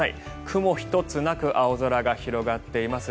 雲一つなく青空が広がっています。